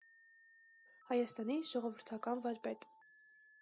Հայաստանի ժողովրդական վարպետ։